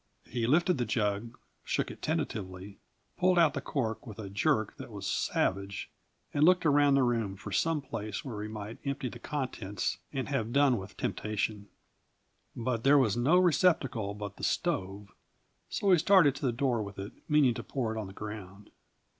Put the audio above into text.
He lifted the jug, shook it tentatively, pulled out the cork with a jerk that was savage, and looked around the room for some place where he might empty the contents and have done with temptation; but there was no receptacle but the stove, so he started to the door with it, meaning to pour it on the ground.